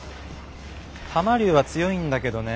タマリュウは強いんだけどね。